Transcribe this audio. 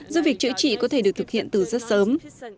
do việc chữa trị có thể được thực hiện từ rất sớm